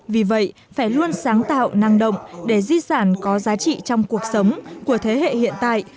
vì vậy phải luôn sáng tạo năng động để di sản có giá trị trong cuộc sống của thế hệ hiện tại